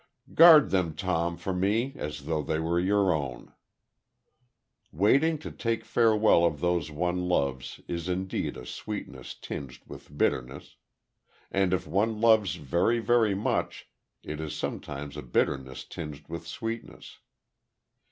Guard them, Tom, for me as though they were your own." Waiting to take farewell of those one loves is indeed a sweetness tinged with bitterness. And if one loves very, very much, it is sometimes a bitterness tinged with sweetness.